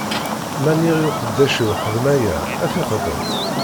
Ma nniɣ i uqeddac-iw: Xdem aya, ad t-ixdem.